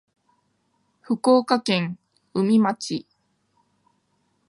福岡県宇美町